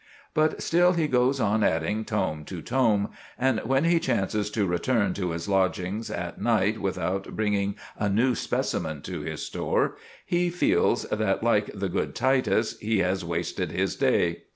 But still he goes on adding tome to tome, and when he chances to return to his lodgings at night without bringing a new specimen to his store, he feels that, like the good Titus, he has wasted his day.